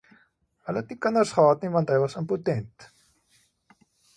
Hulle het nie kinders gehad nie, want hy was impotent.